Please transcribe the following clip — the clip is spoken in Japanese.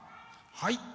はい。